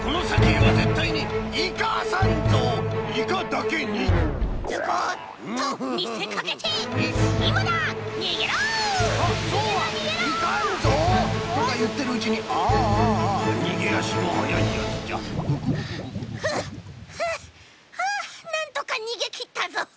はあはあはあなんとかにげきったぞ。